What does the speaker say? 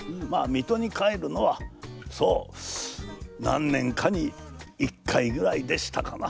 水戸に帰るのはそう何年かに一回ぐらいでしたかな。